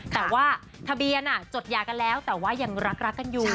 แต่ว่าทะเบียนจดยากันแล้วแต่ว่ายังรักกันอยู่